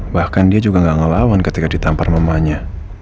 bahkan dia juga gak ngelawan ketika ditampar mamanya